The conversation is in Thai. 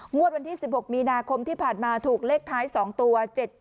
วันที่๑๖มีนาคมที่ผ่านมาถูกเลขท้าย๒ตัว๗๗